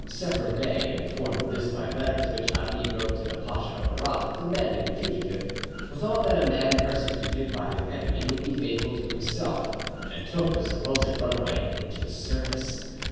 Sepher Bey, informed of this by letters which Ali wrote to the Pacha of Berat demanding the fugitive, thought that a man persecuted by his enemy would be faithful to himself, and took the supposed runaway into his service.